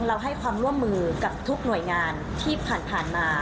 เราให้ความร่วมมือกับทุกหน่วยงานที่ผ่านมา